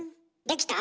できた？